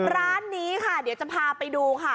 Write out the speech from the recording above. ร้านนี้ค่ะเดี๋ยวจะพาไปดูค่ะ